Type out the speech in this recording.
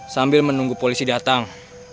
sambil menunggu polisi datang